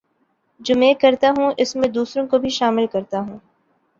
جو میں کرتا ہوں اس میں دوسروں کو بھی شامل کرتا ہوں